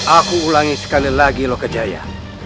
aku ulangi sekali lagi loh kejaya